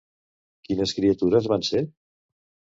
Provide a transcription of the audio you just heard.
Quines criatures van ser?